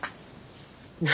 何？